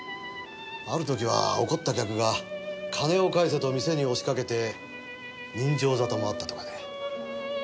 ある時は怒った客が金を返せと店に押しかけて刃傷沙汰もあったとかで。